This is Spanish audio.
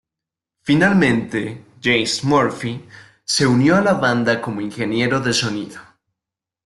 Finalmente James Murphy se unió a la banda como ingeniero de sonido.